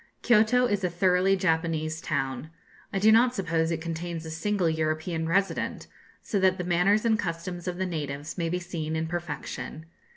Kioto is a thoroughly Japanese town. I do not suppose it contains a single European resident; so that the manners and customs of the natives may be seen in perfection.